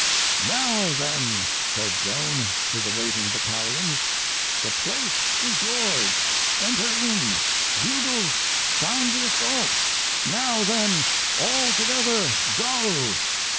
"Now, then," said Joan to the waiting battalions, "the place is yours enter in! Bugles, sound the assault! Now, then all together go!"